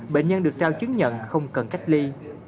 bệnh nhân được trao chứng nhận không cần cách ly